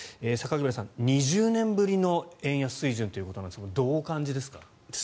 榊原さん、２０年ぶりの円安水準ということなんですがどうお感じですか？